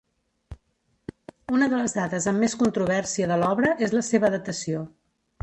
Una de les dades amb més controvèrsia de l'obra és la seva datació.